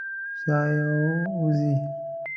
ساه یې وځي.